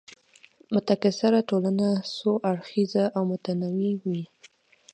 متکثره ټولنه څو اړخیزه او متنوع وي.